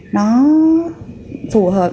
nó phù hợp